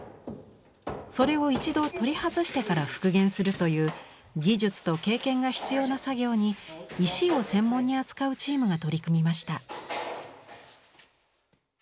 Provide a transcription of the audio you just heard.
それを一度取り外してから復元するという技術と経験が必要な作業に石を専門に扱うチームが取り組みました。